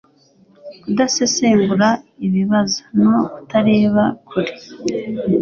kudasesengura ibibazo no kutareba kure